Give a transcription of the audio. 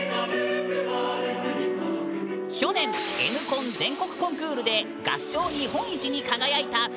去年「Ｎコン」全国コンクールで合唱日本一に輝いた府中四中！